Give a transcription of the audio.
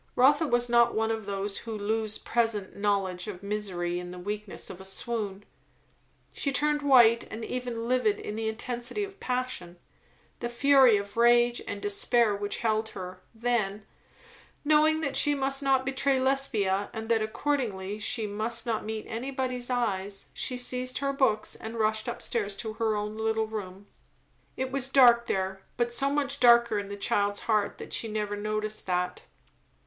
Rotha was not one of those who lose present knowledge of misery in the weakness of a swoon. She turned white and even livid in the intensity of passion, the fury of rage and despair which held her; then, knowing that she must not betray Lesbia and that accordingly she must not meet anybody's eyes, she seized her books and rushed up stairs to her own little room. It was dark there, but so much darker in the child's heart that she never noticed that.